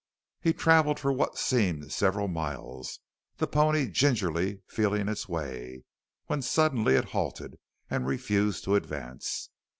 He traveled for what seemed several miles, the pony gingerly feeling its way, when suddenly it halted and refused to advance.